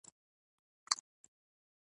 د دوی چل دا دی چې مسلمانان په تنګ کړي.